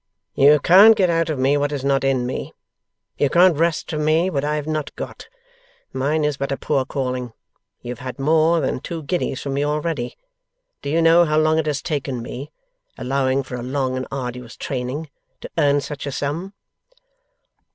'You can't get out of me what is not in me. You can't wrest from me what I have not got. Mine is but a poor calling. You have had more than two guineas from me, already. Do you know how long it has taken me (allowing for a long and arduous training) to earn such a sum?